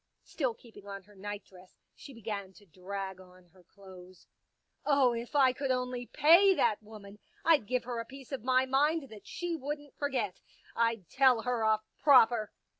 Still keeping on her nightdress she began to drag on her clothes. " Oh, if I could only pay that woman, I'd give her a piece of my mind that she wouldn't forget. I'd tell her off proper."